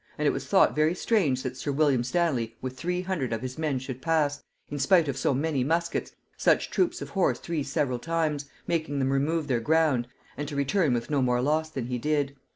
And it was thought very strange that sir William Stanley with three hundred of his men should pass, in spite of so many musquets, such troops of horse three several times, making them remove their ground, and to return with no more loss than he did.